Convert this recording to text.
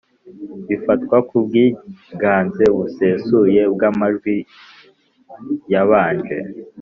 Bifatwa ku bwiganze busesuye bw amajwi y abaje